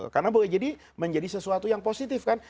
karena boleh jadi menjadi sesuatu yang positif kan